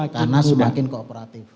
karena semakin kooperatif